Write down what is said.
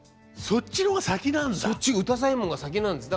そっちが「歌祭文」が先なんです。